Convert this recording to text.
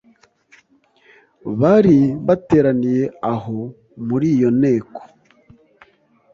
bari bateraniye aho muri iyo nteko